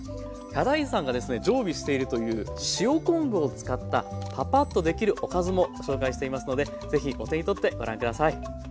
ヒャダインさんがですね常備しているという塩昆布を使ったパパッとできるおかずも紹介していますので是非お手に取ってご覧下さい。